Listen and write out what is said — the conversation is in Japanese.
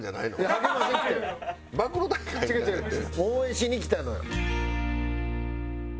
応援しに来たのよ。